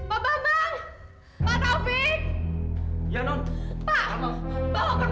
apakah aku harus sekali sama kamu